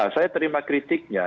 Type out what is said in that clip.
saya terima kritiknya